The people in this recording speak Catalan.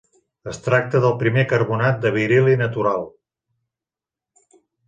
Es tracta del primer carbonat de beril·li natural.